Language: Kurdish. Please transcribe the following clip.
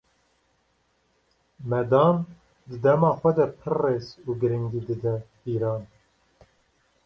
Medan, di dema xwe de pir rêz û girîngî dide pîran.